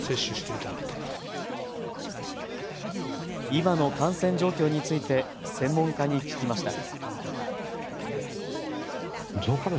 今の感染状況について専門家に聞きました。